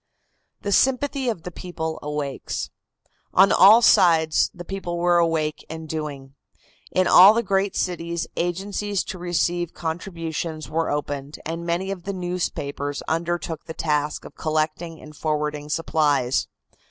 THE SYMPATHY OF THE PEOPLE AWAKES. On all sides the people were awake and doing. In all the great cities agencies to receive contributions were opened, and many of the newspapers undertook the task of collecting and forwarding supplies.